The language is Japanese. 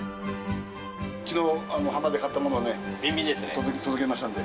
きのう、浜で買ったものをね、届けましたんで。